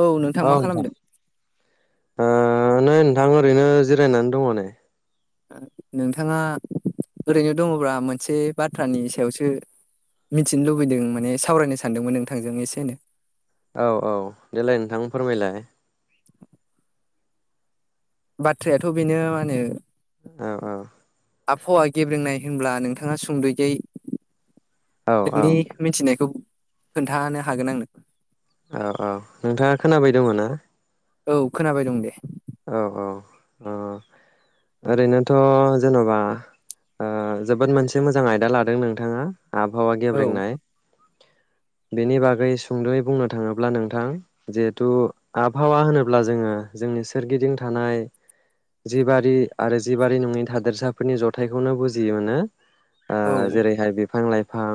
औ नोंथां मा खालामदों? ओ नै नोंथां ओरैनो जिरायनानै दङ नै नोंथाङा ओरैनो दङब्ला मोनसे बाथ्रानि सायावसो मिथिनो लुबैदों माने सावरायनो सानदोंमोन नोंथांजों एसे नो। औ औ देलाय नोंथां फोरमायलाय। बाथ्रायाथ' बेनो मा होनो औ औ आबहावा गेब्रेंनाय होनब्ला नोंथाङा सुंद'यै औ [inaudible] औ नोंनि मिथिनायखौ खोन्थानो हागोन आंनो औ औ नोंथाङा खोनाबाय दङ ना? औ खोनाबाय दं दे। औ औ अ, ओरैनोथ' जेन'बा ओ जोबोद मोनसे मोजां आयदा लादों नोंथाङा। आबहावा औ गेब्रेंनाय। बेनि बागै सुंद'यै बुंनो थाङोब्ला नोंथां जिहेथु आबहावा होनोब्ला जोङो जोंनि सोरगिदिं थानाय जिबारि आरो जिबारि नङि थादेरसाफोरनि जथायखौनो बुजियोमो ओ औ जेरैहाय बिफां लाइफां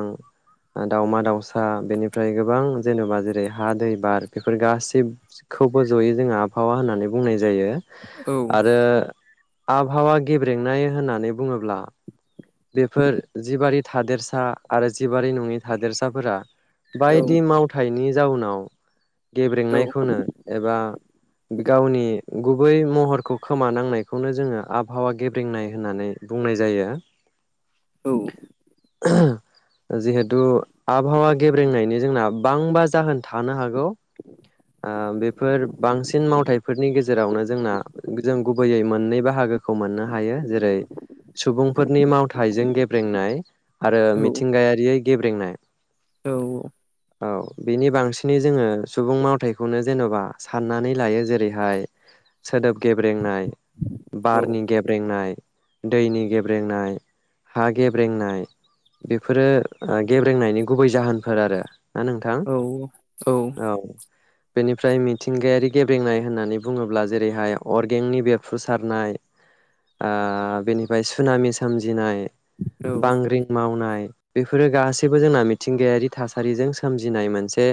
फां दाउमा दाउसा फा बेनिफ्राय गोबां जेनेबा जेरै हा दै बार बेफोर गासैबखौबो जयो जोङो आबहावा होननानै बुंनाय जायो जायो औ आरो आबहावा गेब्रेंनाय होननानै बुङोब्ला बेफोर जिबि थादेरसा आरो जि बारि‌ नंङि थादेरसाफोरा औ बायदि मावथायनि जाउनाव गेब्रेंनायखौनो एबा गावनि गुबै महरखौ खोमानांनायखौनो जोङो आबहावा गेब्रेंनाय होननानै बुंनाय जायो औ जिहेथु आबहावा गेब्रेंनायनि जोंना बांबा जाहोन थानो हागौ ओ बेफोर बांसिन मावथाइफोरनि गेजेरावनो जोंना जों गुबैयै मोननै बाहागोखौ मोननो हायो जेरै सुबुंफोरनि मावथाइ थाइजों गेब्रेंनाय आरो मिथिंगायारि गेब्रेंनाय औ औ बिनि बांसिनै जोङो सुबुं मावथायखौनो जेन'बा साननानै लायो जेरैहाय सोदोब गेब्रेंनाय बारनि गेब्रेंनाय दैनि गेब्रेंनाय हा गेब्रेंनाय बेफोरो गेब्रेंनायनि गुबै जाहोनफोर आरो नोंथां औ औ बेनिफ्राय मिथिंगायारि गेब्रेंनाय होननानै बुङोब्ला जेरैहाय अरगेंनि बेफ्रुसारनाय आ बेनिफ्राय सुनाामि सोमजि जिनाय बांग्रिं मावनाय बेफोरो गासैबो जोंना मिथिंगायारि थासारिजों सोमजिनाय मोनसे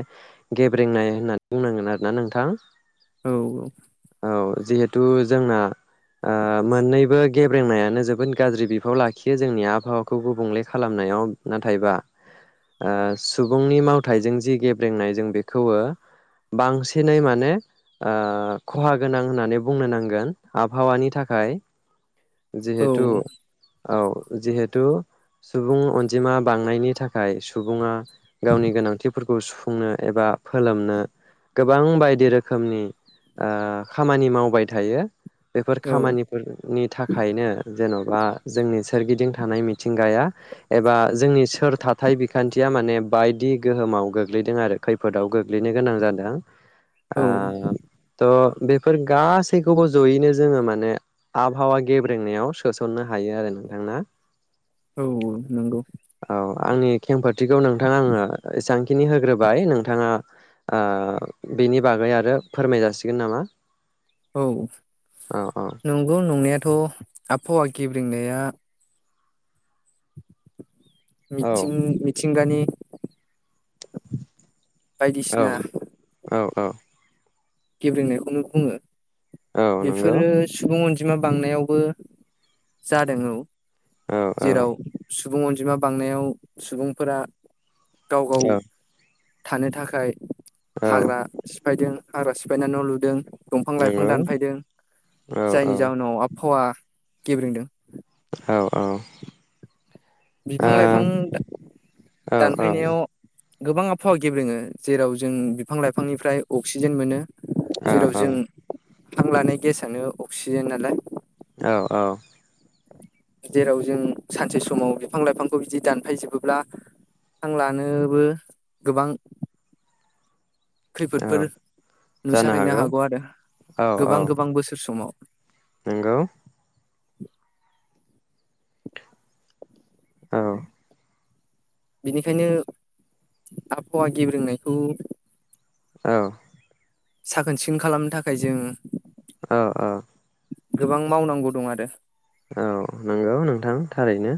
गेब्रेंनाय होननानै बुंनांगोन आरोना नोंथां औ औ औ जिहेतु जोंना आ मोननैबो गेब्रेंनायानो जोबोद गाज्रि बि खौ लाखियो जोंनि आबहावाखौ गुबुंले खालामनायाव नाथायबा आ सुबुंनि मावथाइजों जि गेब्रेंनाय जों बेखौवो बांसिनै माने आ खहा गोनां होननानै बुंनो नांगोन आबहावानि थाखाय जिहेतु औ जिहेतु सुबुं अनजिमा बांनायनि थाखाय सुबुङा गावनि गोनांथिफोरखौ सुफुंनो एबा फोलोमनो गोबां बायदि रोखोमनि आ खामानि मावबाय थायो। बेफोर खामानिफोरनि थाखायनो जेन'बा जोंनि सोरगिदिं थानाय मिथिंगाया बा जोंनि सोर थाथाय बिखान्थिया माने बायदि गोहोमाव गोग्लैदों आरो खैफोदाव गोग्लैनो गोनां जादों औ आ त' बेफोर गासैखौबो जयैनो जोङो मानो आबहावा गेब्रेंनायाव सोसनो हायो आरो नोंथांना औ नोंगौ आंनि खेंफोरथिखौ नोंथां आङो एसांखिनि होग्रोबाय नोंथाङा आ बेनि बागै आरो फोरमाय जासिगोन नामा? औ औ औ नंगौ नंनायात थ आबहावा गेब्रेंनाया मिथिं औ मिथिंगानि [inaudible] बायदिसिना अ गेब्रेंनायखौनो बुङो औ नंगौ बेफोरो सुबुं अनजि बिमा बांनायावबो जादों औ औ औ जेराव सु बुं अनजिमा बांनायाव सुबुंफोरा गाव गाव औ थानो थाखाय औ हाग्रा फायदों हाग्रा सिफायनानै न लुदों। दंफां लाइफां नंगौ दानफायदों औ औ जायनि जाउनाव आबहावा गेब्रेंदों औ औ बिफां लाइफां औ दानफायनायाव गोबां आबहावा गेब्रेङो जेराव जों बिफां लाइफांनिफ्राय अक्सिजेन मोनो। ओ जेराव औ जों हां लानाय गेसानो अक्सिजेन नालाय। औ औ जेराव जों सानसे समाव बिफां -व लाइफांखौ बिदि दानफायजोबोब्ला हां लानोबो गोबां औ खैफोदफोर नुसारहैनो हागौ आरो गोबां गोबां बोसोर समाव। नोंगौ औ बेनिखायनो आबहावा गेब्रोंनायखौ औ साखोन सिखोन खालामनो थाखाय जों औ-औ गोबां मावनांगौ दं आरो औ नंगौ नोंथां थारैनो।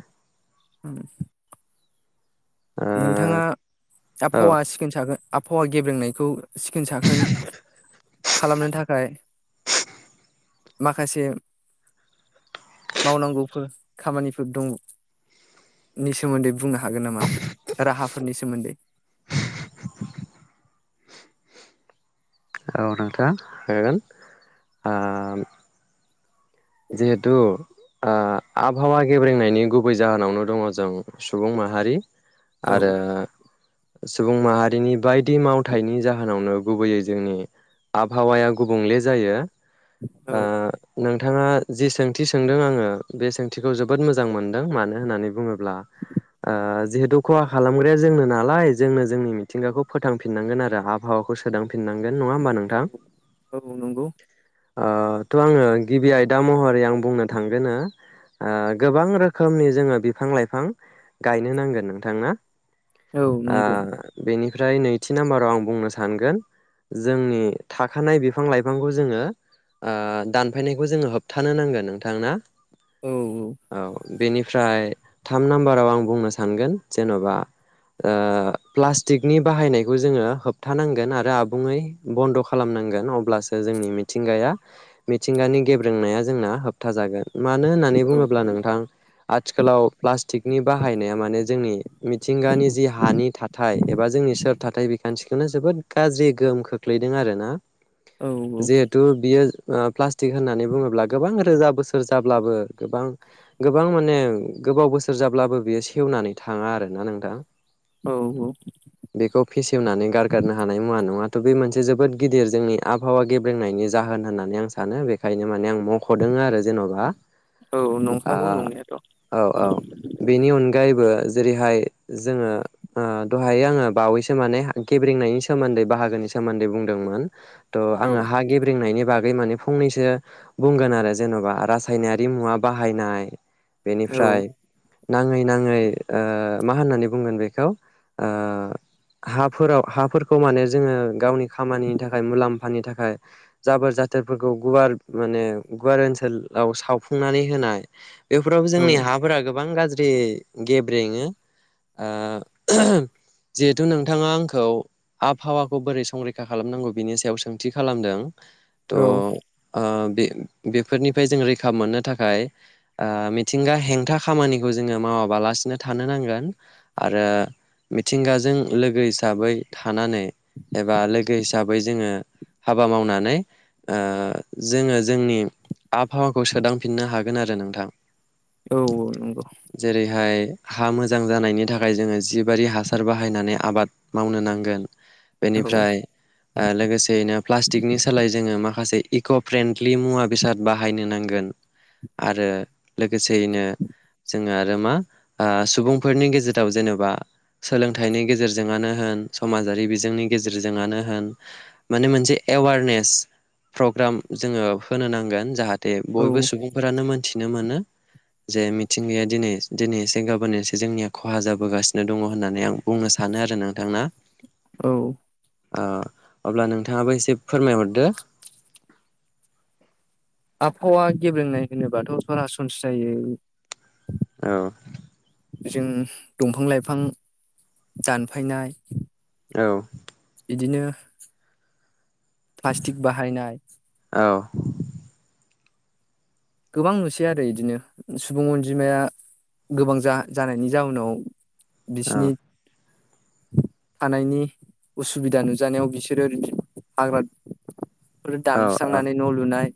[inaudible] ओ नोंथाङा औ आबहावा सिखोन साखोन आबहावा गेब्रेंनायखौ सिखोन-साखोन खालामनो थाखाय माखासे मावनांगौफोर खामानिफोर दं नि सोमोन्दै बुंनो हागोन नामा? राहाफोरनि सोमोन्दै। औ नोंथां होगोन आ जिहेथु आ आबहावा गेब्रेंनायनि गुबै जाहोनावनो दङ जों सुबुं माहारि औ आरो सुबुं माहारिनि बायदि मावथायाइनि जाहोनावनो गुबैयै जोंनि आबहावाया गुबुंले जायो। आ औ नों नोंथाङा जि सोंथि सोंदों आङो बे सोंथिखौ जोबोद मोजां मोनदों मानो होननानै बुङोब्ला ओ जिहेथु खहा खालामग्राया जोंनो नालाय, जोंनो जोंनि मिथिंगाखौ फोथांफिननांगोन आरो आबहावाखौ सोदांफिननांगोन। नङा होमबा नोंथां औ, औ नंगौ। ओ त' आङो गिबि आयदा महरै आं बुंनो थांगोन, ओ गोबां रोखोमनि जोङो बिफां-लाइफां गायनो नांगोन नोंथां औ आ नंगौ बेनि ओमफ्राय नैथि नाम्बार आव आं बुंनो सानगोन जोंनि थाखानाय बिफां-लाइफांखौ जोङो ओ दान थाफैनायखौ जोङो होबथानो नांगोन नोंथां ना? औ औ बेनिफ्राय थाम नाम्बाराव आं बुंनो सानगोन जेन'बा ओ प्लास्टिकनि बाहायनायखौ जोङो होबथानांगोन आरो आबुङै बन्द' खालामनांगोन अब्लासो जोंनि मिथिंगाया मिथिंगानि गेब्रेंनाया जोंना होबथाजागोन मानो होननानै औ बुङोब्ला नोंथां आथिखालाव प्लास्ट थिकनि बाहायनाया माने जोंनि मिथिंगानि जि हानि थाथाय एबा जोंनि सोरथाथाय बिखान्थिखौनो जोबोद गाज्रि गोहोम खोख्लैदों आरो ना औ जिहेतु बियो ओ प्लास टिक होननानै बुङोब्ला गोबां रोजा बोसोर जाब्लाबो गोबां गोबां माने गोबाव बोसोर जाब्लाबो बियो सेवनानै थाङा आरो ना नोंथां औ औ बेखौ फेसेवनानै गारगारनो हानाय मुवा नङा थ' बे मोनसे जोबोद गिदिर जोंनि आबहावा गेब्रेंनायनि जाहोन होननानै आं सा सानो बेखायनो माने आं मख'दों आरो जेन'बा औ आ नंखागौ नंनायाथ' औ औ बेनि अनगायैबो जेरैहाय जोङो ओ दहाय आङो बावैसो माने गेब्रेंनायनि सोमोन्दै बाहागोनि सोमोन्दै बुंदोंमोन त' औ आङो हा गेब्रेंनायनि बाग गै माने फो फंनैसो बुंगोन आरो जेन'बा रासायनारि मुवा बाहायनाय औ बेनिफ्राय नाङै नाङै ओ मा होननानै बुंगोन बेखौ ओ हाफोराव हाफोरखौ माने जोङो गावनि खामानिनि थाखाय मुलाम्फानि थाखाय जाबोर जाथोर फोरखौ गुवार माने गुवार ओनसोलाव सावफुंनानै होनाय बेफोरावबो जोंनि औ हाफोरा गोब बां गाज्रि गेब्रेङो ओ जिहेथु नोंथाङा आंखौ आबहावाखौ बोरै संरैखा खालामनांगौ बिनि सायाव सोंथि खालामदों त' औ ओ बे बेफोरनिफ्राय जों रैखा मोननो थाखाय ओ मिथिंगा हेंथा खामानिखौ जोङो मावाबालासिनो थानो नांगोन आरो मिथिंगाजों लोगो हिसाबै थानानै एबा लोगो हिसाबै जोङो हाबा मावनानै ओ जोङो जोंनि आबहावाखौ सोदांफिननो हागोन आरो नोंथां औ नंगौ जेरैहाय हा मोजां जानायनि थाखाय जोङो जिबारि हासार बाहायनानै आबाद मावनो नांगोन। औ बेनिफ्राय ओ लोगोसेयैनो प्लास्टिकनि सोलाय जोङो मा खासे इक' फ्रेन्डलि मुवा बेसाद बाहायनो नांगोन आरो लो गोसेयैनो जोङो आरो मा ओ सुबुंफोरनि गेजेराव जेन'बा सोलोंथाइनि गेजेरजोङानो होन समाजारि बिजोंनि गेजेरजोङानो होन माने मोनसे एवारनेस प्रग्राम जोङो होनो नांगोन जाहा ते औ बयबो सुबुंफोरानो मोनथि थिनो मोनो जे मिथिंगाया दिनै दिनै एसे गाबोन एसे जोंनिया खहा जाबोगासिनो दङ' होननानै आं बुंनो सानो आरो नोंथां ना। औ। ओ अब्ला नोंथाङाबो एसे फोरमायहरदो। आबहावा गेब्रेंनाय होनोबाथ' सरासनस्रायै औ। जों दंफां लाइफां दानफायनाय औ। बिदिनो प्लास्टिक बाहायनाय औ। गोबां नुसै आरो इदिनो सुबुं अनजिमाया गोबां जा-जानायनि जाउनाव। औ बिसिनि थानायनि उसुबिदा नुजानायाव बिसोरो हाग्रा फोर औ दानस्रांनानै न' लुनाय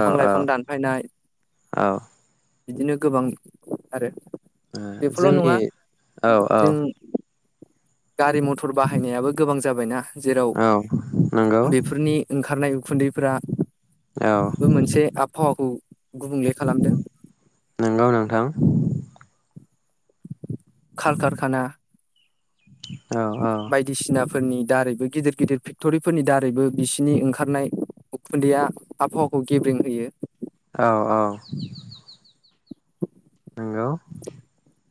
औ लाइफां दान औ। बिदिनो गोबां आरो आ बेफोरल' जोंनि नङा औ औ। जों गारि मथर बाहायनायाबो गोबां जा बाय ना जेराव औ नंगौ बेफोरनि ओंखारनाय उखुन्दैफोरा औ बे मोनसे आबहावाखौ गुबुंले खालामदों। थां। खार खारखाना औ औ। फोरनि दारैबो गिदिर गिदिर फेक्ट'रिफोरनि दारैबो बिसिनि ओंखारनाय उखुन्दैया आबहावाखौ गेब्रेंं होयो। औ औ। नंगौ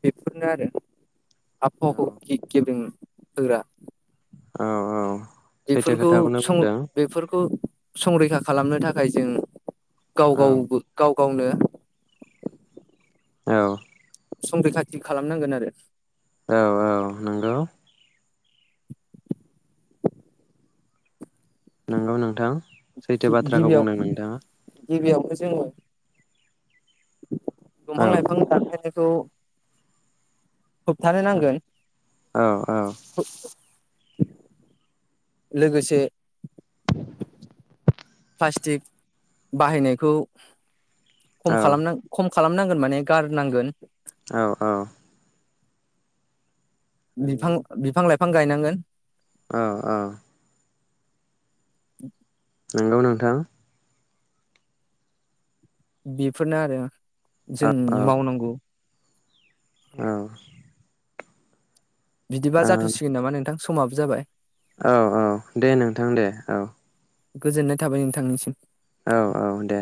बेफोरनो आरो। औ आबहावाखौ गे-गेब्रें- होग्रा। औ-औ बेफोरखौ सं बेफोरखौ संरैखा खालामनो थाखाय जों औ गाव-गावबो गाव गावनो औ संरैखाथि खालामनांगोन आरो। औ-औ नंगौ नंगौ नोंथां। सैथो बाथ्राखौ बुंदों नोंथाङा गिबियावथ जोङो दंफां औ लाायफां दानफायनाय खौ होबथानो औ नांगोन औ [unintelligible] लोगोसे प्लास्टिक बाहायनायखौ खम औ खालाम खम खालामनांगोन माने गारनांगोन औ-औ बिफां-बिफां लाइ बिफां गायनांगोन औ-औ [inaudible] नंगौ नोंथां बेफोरनो आरो जों औ मावनांगौ औ बिदिबा जाथ'सिगोन नामा नोंथां। समाबो जाबाय। औ-औ दे नोंथां दे औ। गोजोननाय थाबाय नोंथांनिसिम। औ-औ दे